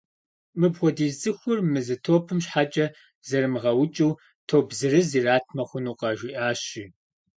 Мыпхуэдиз цӏыхур мы зы топым щхьэкӏэ зрамыгъэукӏыу, топ зырыз иратмэ хъунукъэ? - жиӏащ, жи.